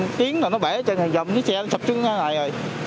chúng ta đi vòng rồi nó bể trên rồi chiếc xe xãy xuống trước cái này rồi